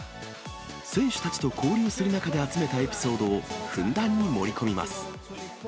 選手たちと交流する中で集めたエピソードを、ふんだんに盛り込みます。